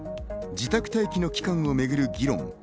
自宅待機の期間をめぐる議論。